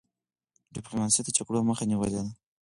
ډيپلوماسی د جګړو مخه نیولي ده.